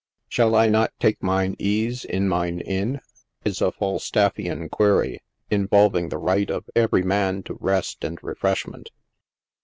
"SHiLL I not take mine ease in mine inn?" is a Falstaffian query, involving the right of every man to rest and refreshment.